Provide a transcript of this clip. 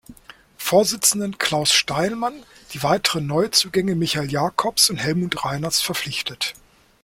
Vorsitzenden Klaus Steilmann die weiteren Neuzugänge Michael Jakobs und Helmut Reiners verpflichtet.